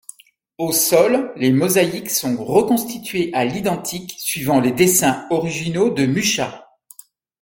Au sol, les mosaïques sont reconstituées à l'identique suivant les dessins originaux de Mucha.